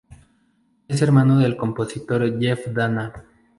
Es hermano del compositor Jeff Danna.